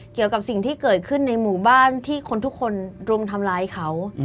เกี่ยวกับสิ่งที่เกิดขึ้นในหมู่บ้านที่คนทุกคนรุมทำร้ายเขา